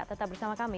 tetap bersama kami